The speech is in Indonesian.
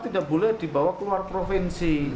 tidak boleh dibawa keluar provinsi